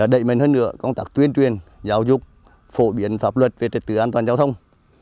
đẩy mạnh hơn nữa công tác tuyên truyền giáo dục phổ biến pháp luật về trật tự an toàn giao thông